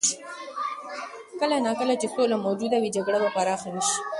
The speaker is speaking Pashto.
کله نا کله چې سوله موجوده وي، جګړه به پراخه نه شي.